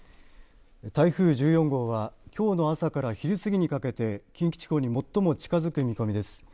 台風１４号はきょうの朝から昼過ぎにかけて近畿地方に最も近づく見込みです。